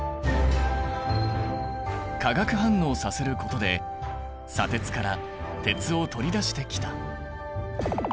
化学反応させることで砂鉄から鉄を取り出してきた。